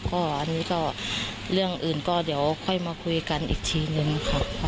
ก็อันนี้ก็เรื่องอื่นก็เดี๋ยวค่อยมาคุยกันอีกทีนึงค่ะ